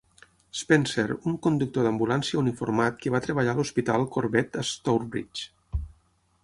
Spencer, un conductor d'ambulància uniformat que va treballar a l'Hospital Corbett a Stourbridge.